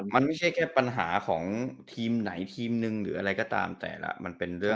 มันไม่ใช่แค่ปัญหาของทีมไหนทีมหนึ่งหรืออะไรก็ตามแต่ล่ะ